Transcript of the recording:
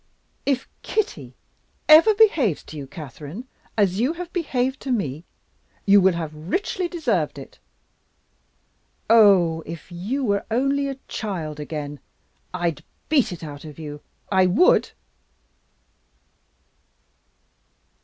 "If Kitty ever behaves to you, Catherine, as you have behaved to me you will have richly deserved it. Oh, if you were only a child again, I'd beat it out of you I would!"